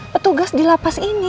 petugas di lapas ini